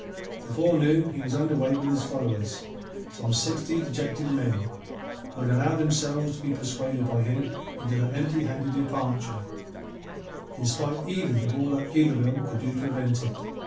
Before noon he was under way with his followers, some sixty dejected men who had allowed themselves to be persuaded by him into that empty handed departure in spite even of all that Yberville could do to prevent it.